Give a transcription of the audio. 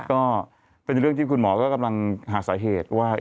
ก็เป็นเรื่องที่คุณหมอก็กำลังหาสาเหตุว่า